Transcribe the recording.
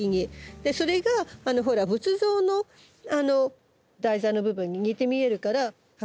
それが仏像の台座の部分に似て見えるから葉っぱが。